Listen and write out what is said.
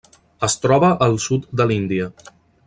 Es troba al sud de l'Índia.